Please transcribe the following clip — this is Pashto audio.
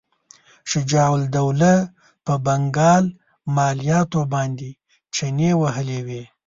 شجاع الدوله په بنګال مالیاتو باندې چنې وهلې وې.